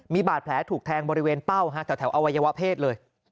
มีบาดแผลถูกแทงบริเวณเป้าแถวอวัยวะเพศเลย